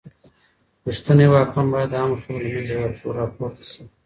رښتنی واکمن بايد د عامو خلګو له منځه راپورته سي.